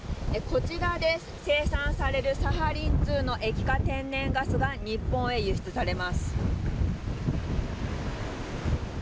こちらで生産されるサハリン２の液化天然ガスが日本へ輸出されます。